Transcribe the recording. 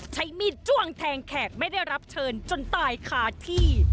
ใช้มีดจ้วงแทงแขกไม่ได้รับเชิญจนตายคาที่